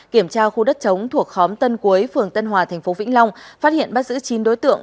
kiểm tra khu đất chống thuộc khóm tân quế phường tân hòa tp vĩnh long phát hiện bắt giữ chín đối tượng